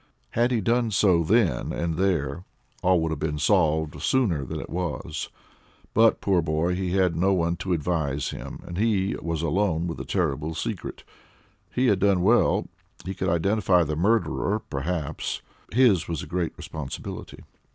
Had he done so then and there, all would have been solved sooner than it was; but, poor boy, he had no one to advise him and he was alone with a terrible secret. He had done well; he could identify the murderer perhaps; his was a great responsibility.